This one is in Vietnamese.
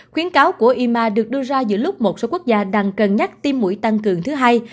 khuyến cáo của yma được đưa ra giữa lúc một số quốc gia đang cân nhắc tim mũi tăng cường thứ hai